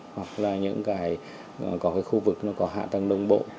hoặc là những khu vực có hạ tầng đông bộ